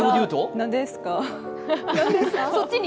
何ですか？